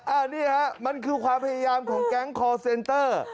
อันนี้ฮะมันคือความพยายามของแก๊งคอร์เซนเตอร์